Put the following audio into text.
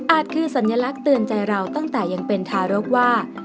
คือสัญลักษณ์เตือนใจเราตั้งแต่ยังเป็นทารกว่า